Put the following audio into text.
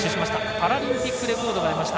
パラリンピックレコードが出ました。